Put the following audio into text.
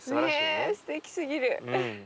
ねえすてきすぎる。